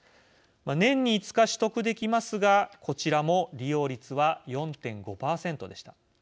年に５日取得できますがこちらも利用率は４．５％でした。